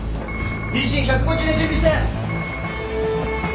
ＤＣ１５０で準備して。